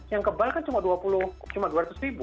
yang kebal kan cuma dua ratus ribu